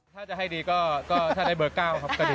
ถ้าจะให้ดีก็ถ้าได้เบอร์๙ครับก็ดี